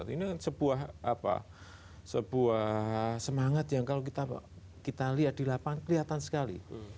ini kan sebuah apa sebuah semangat yang kalau kita lihat di lapangan kelihatan sekali